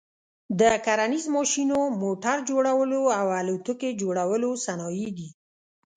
د کرنیز ماشینو، موټر جوړلو او الوتکي جوړلو صنایع دي.